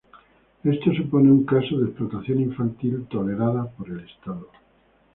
Esto supone un caso de explotación infantil tolerada por el estado.